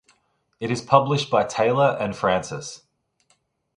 It is published by Taylor and Francis.